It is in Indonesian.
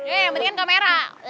eh pentingan kamera